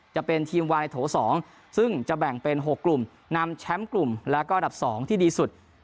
จะเป็นทีมวายโถ๒ซึ่งจะแบ่งเป็น๖กลุ่มนำแชมป์กลุ่มแล้วก็อันดับ๒ที่ดีสุด